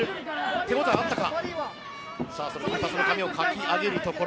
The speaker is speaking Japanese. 手応えあったか。